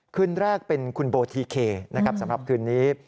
ขึ้นแรกเป็นคุณโบทิเคสำหรับคืนนี้